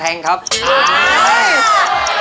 พระเจ้าตากศิลป์